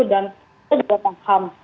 dan saya juga paham